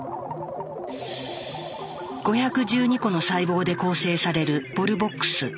５１２個の細胞で構成されるボルボックス。